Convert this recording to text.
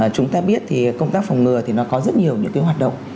chúng ta biết thì công tác phòng ngừa thì nó có rất nhiều những cái hoạt động